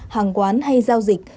hàng quán hay giao dịch